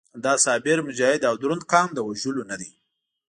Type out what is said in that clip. دا صابر، مجاهد او دروند قام د وژلو نه دی.